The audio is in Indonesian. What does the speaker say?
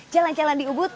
jalan jalan di ubud